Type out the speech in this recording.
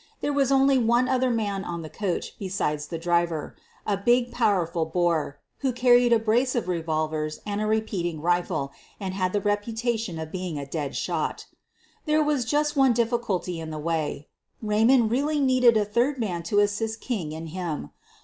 There was only one other man on the coach besides the driver — a big, powerful Boer, who carried a brace of revolvers and a repeating rifle and had the reputation of being a dead shot. f There was just one difficulty in the way — Ray mond really needed a third man to assist King and him.